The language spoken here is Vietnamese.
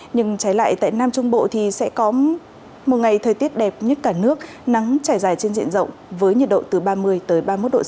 nhưng trái lại tại nam trung bộ thì sẽ có một ngày thời tiết đẹp nhất cả nước nắng trải dài trên diện rộng với nhiệt độ từ ba mươi ba mươi một độ c